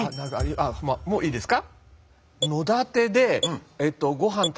あっもういいですか？